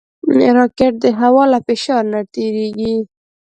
راکټ د هوا له فشار نه تېریږي